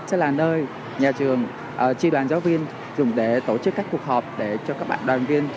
sẽ là nơi nhà trường tri đoàn giáo viên dùng để tổ chức các cuộc họp để cho các bạn đoàn viên